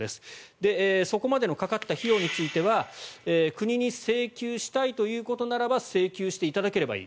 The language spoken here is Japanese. そこまでのかかった費用については国に請求したいということならば請求していただければいい。